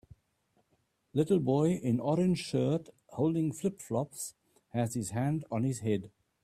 Little boy in orange shirt, holding flipflops has his hand on his head.